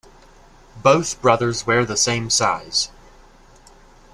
Both brothers wear the same size.